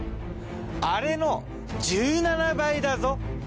あれの１７倍だぞ？